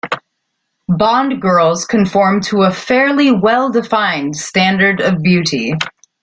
Bond girls conform to a fairly well-defined standard of beauty.